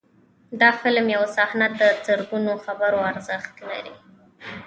د فلم یو صحنه د زرګونو خبرو ارزښت لري.